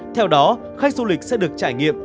theo đó khách du lịch sẽ được trải nghiệm